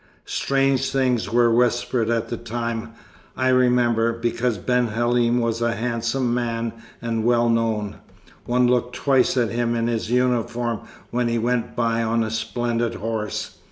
"Strange things were whispered at the time, I remember, because Ben Halim was a handsome man and well known. One looked twice at him in his uniform when he went by on a splendid horse.